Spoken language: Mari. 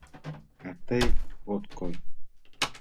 А тый от кой.